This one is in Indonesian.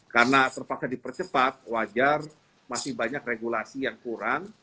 karena terpaksa dipercepat wajar masih banyak regulasi yang kurang